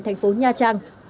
thành phố nha trang